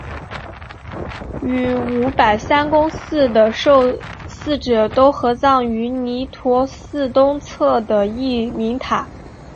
与五百三公祠的受祀者都合葬于弥陀寺东侧的义民塔。